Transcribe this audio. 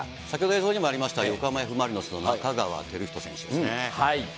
先ほど映像にもありました、横浜Ｆ・マリノスの仲川輝人選手ですね。